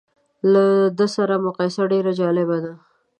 له ده سره مقایسه ډېره جالبه ده.